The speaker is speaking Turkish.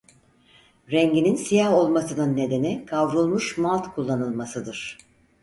Renginin siyah olmasının nedeni kavrulmuş malt kullanılmasıdır.